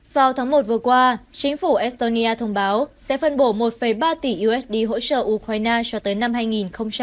vào tháng một vừa qua chính phủ estonia thông báo sẽ phân bổ một ba tỷ đồng